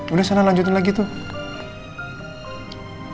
udah sana lanjutin lagi tuh